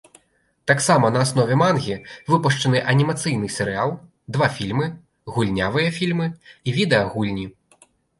Таксама на аснове мангі выпушчаны анімацыйны серыял, два фільмы, гульнявыя фільмы і відэагульні.